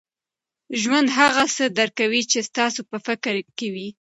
ژوند هغه څه درکوي، چي ستاسو په فکر کي وي.